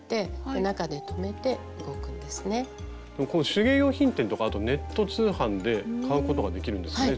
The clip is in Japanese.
手芸用品店とかあとネット通販で買うことができるんですよね